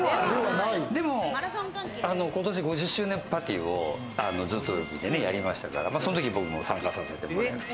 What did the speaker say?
でも今年５０周年パーティーを「ずうとるび」でやりましたから、そのとき僕も参加させてもらって。